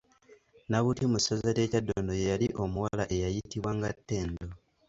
Nabuti mu ssaza lye Kyaddondo ye yali omuwala eyayitibwanga Ttendo.